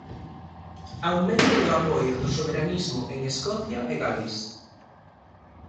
Aumento do apoio do soberanismo en Escocia e Gales.